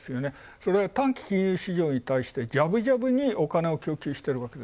それは短期金融市場ジャブジャブにお金を供給してる。